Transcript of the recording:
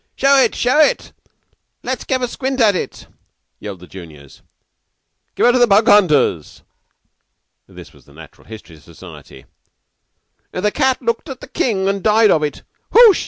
"Show it, show it! Let's have a squint at it!" yelled the juniors. "Give her to the Bug hunters." (This was the Natural History Society). "The cat looked at the King and died of it! Hoosh!